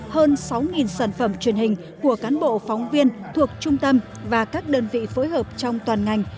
hơn sáu sản phẩm truyền hình của cán bộ phóng viên thuộc trung tâm và các đơn vị phối hợp trong toàn ngành